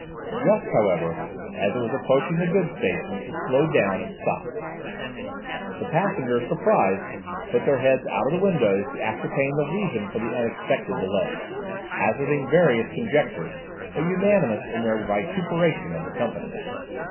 Just, however, as it was approaching the goods station it slowed down and stopped. The passengers, surprised, put their heads out of the windows, to ascertain the reason for the unexpected delay, hazarding various conjectures but unanimous in their vituperation of the company.